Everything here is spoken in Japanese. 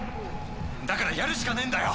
だからやるしかねえんだよ！」。